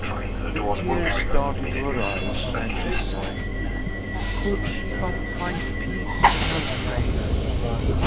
The tears started to her eyes, and she sighed: "Could she but find peace in her grave!